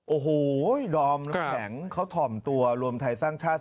โอ้โหดอมน้ำแข็งเขาถ่อมตัวรวมไทยสร้างชาติ